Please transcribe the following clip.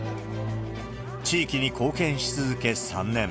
地域に貢献し続け３年。